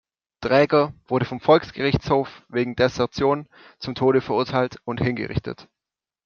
Draeger wurde vom Volksgerichtshof wegen Desertion zum Tode verurteilt und hingerichtet.